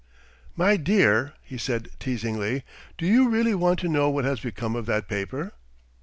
"My dear," he said, teasingly, "do you really want to know what has become of that paper?"